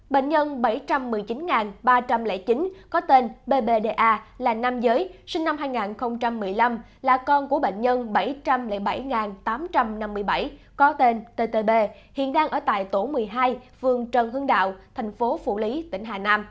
bệnh nhân bảy trăm một mươi chín ba trăm linh chín có tên bbda là nam giới sinh năm hai nghìn một mươi năm là con của bệnh nhân bảy trăm linh bảy tám trăm năm mươi bảy có tên ttb hiện đang ở tại tổ một mươi hai phường trần hương đạo thành phố phủ lý tỉnh hà nam